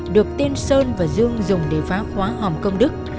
được tên sơn và dương dùng để phá hóa hòm công đức